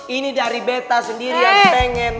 ini dari betta sendiri yang pengen nona